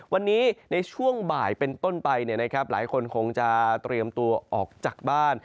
วันนี้ในช่วงบ่ายเป็นต้นไปหลายคนคงจะเตรียมตัวออกจากบ้าน